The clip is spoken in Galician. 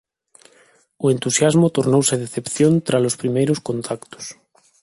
O entusiasmo tornouse decepción tralos primeiros contactos.